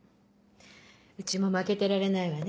うちも負けてられないわね。